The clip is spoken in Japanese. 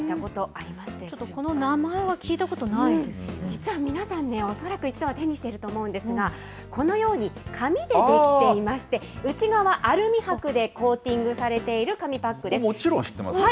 この名前は聞いたことないで実は皆さんね、恐らく一度は手にしてると思うんですが、このように紙で出来ていまして、内側、アルミはくでコーティングされている紙パックです。